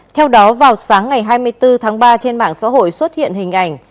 theo đó vào sáng ngày hai mươi bốn tháng ba trên mạng xã hội xuất hiện hình ảnh